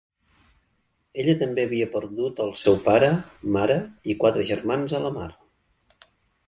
Ella també havia perdut al seu pare, mare i quatre germans a la mar.